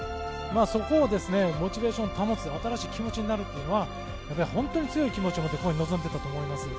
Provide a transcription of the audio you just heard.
そこでモチベーションを保つ新しい気持ちになるというのは本当に強い気持ちを持ってここに臨んでいたと思います。